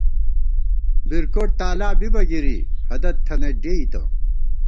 بیرکوٹ تالا بِبہ گِری ، ہدَت تھنئیت ڈېئیتہ